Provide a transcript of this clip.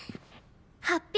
発表